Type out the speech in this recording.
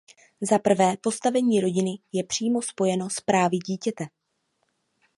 Zaprvé, postavení rodiny je přímo spojeno s právy dítěte.